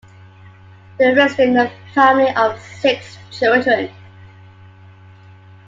They were raised in a family of six children.